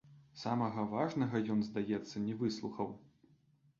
Самага важнага ён, здаецца, не выслухаў.